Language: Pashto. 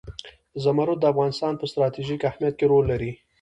زمرد د افغانستان په ستراتیژیک اهمیت کې رول لري.